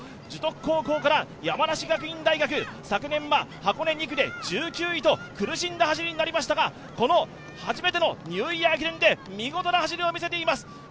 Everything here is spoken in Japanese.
樹徳高校から、昨年は箱根２区で１９位と苦しんだ走りになりましたが、この初めてのニューイヤー駅伝で見事な走りを見せています。